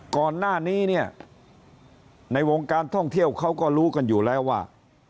ก่อนหน้านี้เนี่ยในวงการท่องเที่ยวเขาก็รู้กันอยู่แล้วว่า